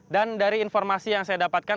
dari informasi yang saya dapatkan